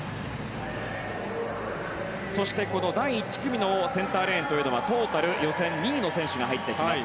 そして、この第１組のセンターレーンというのはトータル予選２位の選手が入ってきます。